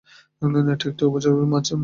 এটি একটি উভচর মাছ।